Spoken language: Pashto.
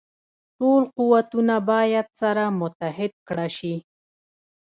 ټول قوتونه باید سره متحد کړه شي.